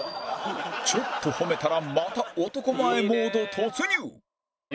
ちょっと褒めたらまた男前モード突入！